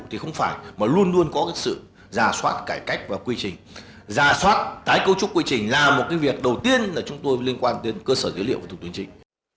thì không phải mà luôn luôn có sự ra soát cải cách và quy trình ra soát tái cấu trúc quy trình là một cái việc đầu tiên là chúng tôi liên quan đến cơ sở dữ liệu và thủ tục hành chính